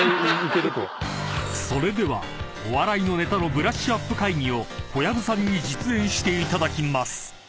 ［それではお笑いのネタのブラッシュアップ会議を小籔さんに実演していただきます］